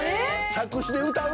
作詞で歌う？